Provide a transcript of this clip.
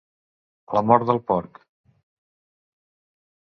La mort del porc.